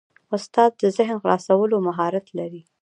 استاد د ذهن خلاصولو مهارت لري.